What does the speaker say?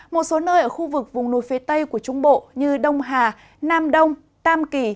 một số nơi ở khu vực vùng núi phía tây của trung bộ như đông hà nam đông tam kỳ